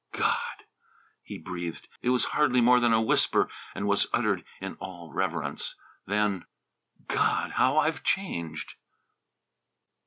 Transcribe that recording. "God!" he breathed. It was hardly more than a whisper and was uttered in all reverence. Then "_God! how I've changed!